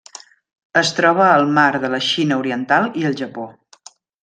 Es troba al Mar de la Xina Oriental i el Japó.